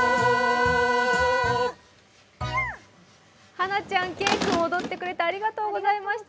はなちゃん、けいくん踊ってくれてありがとうございました。